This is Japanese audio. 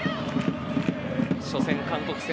初戦、韓国戦